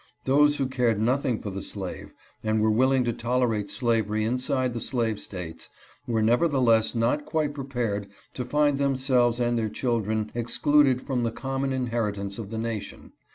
Those who cared nothing for the slave, and were willing to tolerate slavery inside the slave States, were neverthe less not quite prepared to find themselves and their chil dren excluded from the common inheritance of the nation.